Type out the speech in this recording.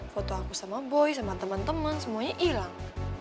foto aku sama boy sama teman teman semuanya hilang